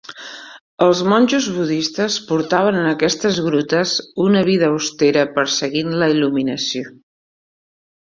Els monjos budistes portaven en aquestes grutes una vida austera perseguint la il·luminació.